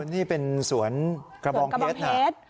นี่เป็นสวนกระบองเพชรนะ